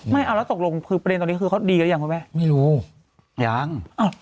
ไม่เอาแล้วตกลงคือประเด็นตอนนี้คือเขาดีหรือยังคุณแม่ไม่รู้ยัง